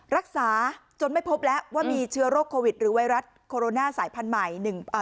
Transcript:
รักษาจนไม่พบแล้วว่ามีเชื้อโรคโควิดหรือไวรัสโคโรนาสายพันธุ์ใหม่